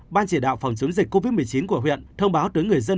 ban chỉ đạo phòng chống dịch covid một mươi chín của huyện thông báo tới người dân